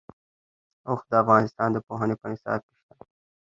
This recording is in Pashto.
اوښ د افغانستان د پوهنې په نصاب کې شته.